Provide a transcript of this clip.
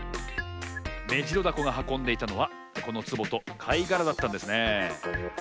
メジロダコがはこんでいたのはこのつぼとかいがらだったんですねえ。